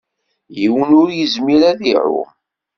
Yiwen ur yezmir ad iɛum.